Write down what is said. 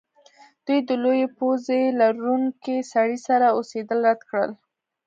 دوی د لویې پوزې لرونکي سړي سره اوسیدل رد کړل